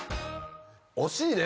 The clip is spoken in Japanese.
惜しいね！